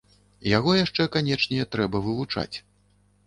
Яго яшчэ, канечне, трэба вывучаць.